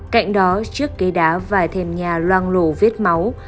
cạnh đó trước cây đá vài thêm nhà loang lộ viết máu